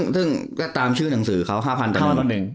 ซึ่งตามชื่อหนังสือเขา๕พันตอนหนึ่ง